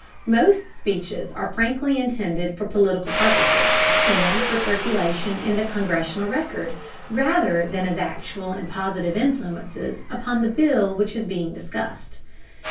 Most speeches are frankly intended for political purposes, and for circulation in the Congressional Record, rather than as actual and positive influences upon the bill which is being discussed.